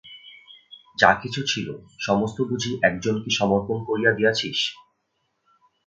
যা-কিছু ছিল সমস্ত বুঝি একজনকে সমর্পণ করিয়া দিয়াছিস?